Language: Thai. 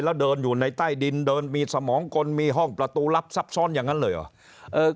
แล้วเดินอยู่ในใต้ดินเดินมีสมองกลมีห้องประตูลับซับซ้อนอย่างนั้นเลยเหรอ